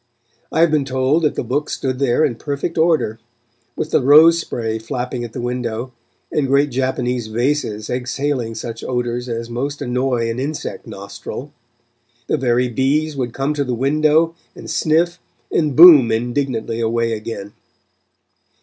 I have been told that the books stood there in perfect order, with the rose spray flapping at the window, and great Japanese vases exhaling such odours as most annoy an insect nostril. The very bees would come to the window, and sniff, and boom indignantly away again.